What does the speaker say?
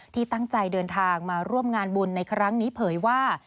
ที่ตั้งใจเดินทางมาร่วมงานบุญในครั้งนี้เผยว่า